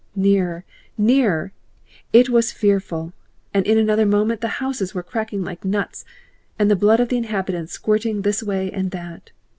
Nearer, nearer! it was fearful! and in another moment the houses were cracking like nuts and the blood of the inhabitants squirting this way and that.